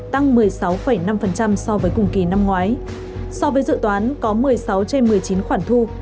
tăng một mươi sáu năm so với cùng kỳ năm ngoái so với dự toán có một mươi sáu trên một mươi chín khoản thu